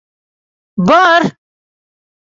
Ба-ар.